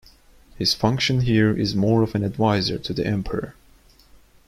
His function here is more of an advisor to the Emperor.